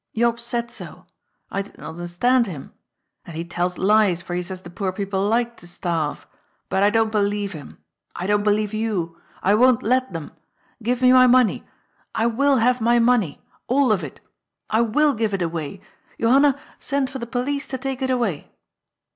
Jops said so. I did not understand him. And he tells lies, for he says the poor people like to starve. But I don't be lieve him. I don't believe you. I won't let them. Give me my money. I will have my money. All of it. I will give it away. Johanna, send for tiie police to take it away